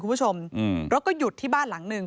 คุณผู้ชมรถก็หยุดที่บ้านหลังหนึ่ง